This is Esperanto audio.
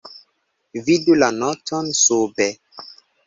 Vidu la noton sube.